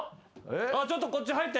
ちょっとこっち入って。